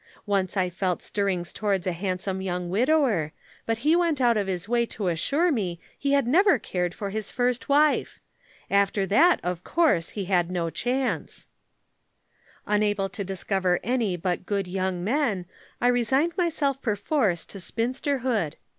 Once I felt stirrings towards a handsome young widower, but he went out of his way to assure me he had never cared for his first wife. After that, of course, he had no chance. [Illustration: Platonic Love.] "Unable to discover any but good young men, I resigned myself perforce to spinsterhood.